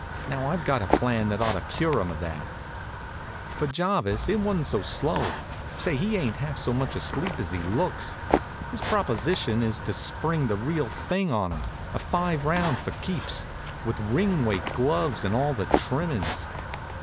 Now, I've got a plan that ought to cure 'em of that." For Jarvis, it wa'n't so slow. Say, he ain't half so much asleep as he looks. His proposition is to spring the real thing on 'em, a five round go for keeps, with ring weight gloves, and all the trimmin's.